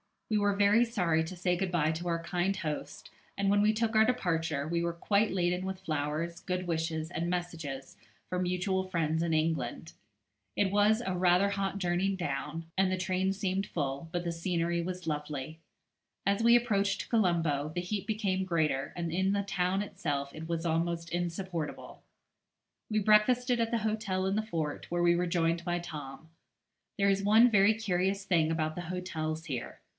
We were very sorry to say good bye to our kind host, and when we took our departure, we were quite laden with flowers, good wishes, and messages for mutual friends in England. It was rather a hot journey down, and the train seemed full, but the scenery was lovely. As we approached Colombo the heat became greater, and in the town itself it was almost insupportable. We breakfasted at the hotel in the fort, where we were joined by Tom. There is one very curious thing about the hotels here.